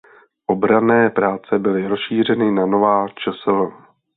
Obranné práce byly rozšířeny na nová čsl.